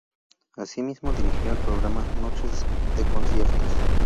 Asimismo dirigió el programa "Noches de conciertos".